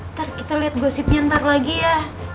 ntar kita liat gosip nyentak lagi ya